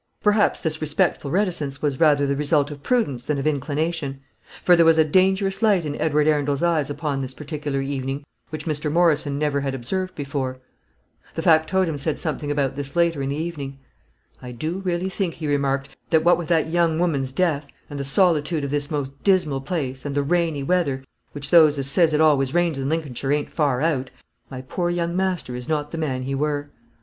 Perhaps this respectful reticence was rather the result of prudence than of inclination; for there was a dangerous light in Edward Arundel's eyes upon this particular evening which Mr. Morrison never had observed before. The factotum said something about this later in the evening. "I do really think," he remarked, "that, what with that young 'ooman's death, and the solitood of this most dismal place, and the rainy weather, which those as says it always rains in Lincolnshire ain't far out, my poor young master is not the man he were."